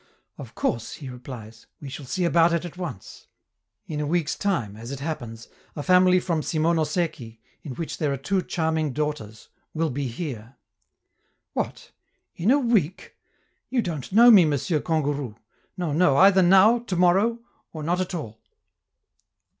"Of course," he replies, "we shall see about it at once. In a week's time, as it happens, a family from Simonoseki, in which there are two charming daughters, will be here!" "What! in a week! You don't know me, Monsieur Kangourou! No, no, either now, to morrow, or not at all."